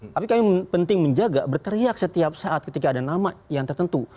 tapi kami penting menjaga berteriak setiap saat ketika ada nama yang tertentu